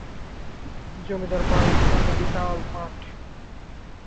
জমিদার বাড়ির সামনে বিশাল মাঠ।